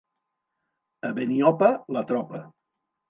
A Beniopa, la tropa.